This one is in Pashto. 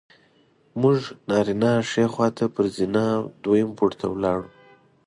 موږ نارینه ښي خوا ته پر زینه دویم پوړ ته ولاړو.